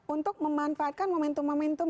untuk memanfaatkan momentum momentum